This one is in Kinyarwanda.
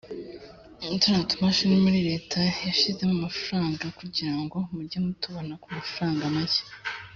turiya tumashini buriya Leta yashyizemo amafaranga kugira ngo mujye mutubona ku mafaranga makeya